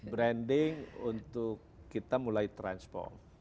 branding untuk kita mulai transform